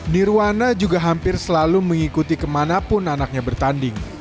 nirwana juga hampir selalu mengikuti kemanapun anaknya bertanding